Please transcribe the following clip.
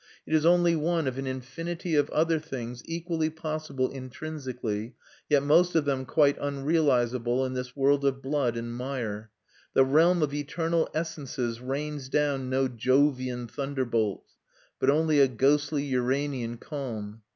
It is only one of an infinity of other things equally possible intrinsically, yet most of them quite unrealisable in this world of blood and mire. The realm of eternal essences rains down no Jovian thunderbolts, but only a ghostly Uranian calm.